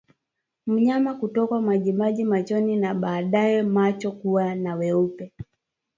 Mnyama kutokwa majimaji machoni na baadaye macho kuwa na weupe